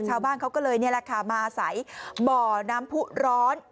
ชาวบ้านเขาก็เลยนี่แหละค่ะมาใส่บ่อน้ำผู้ร้อน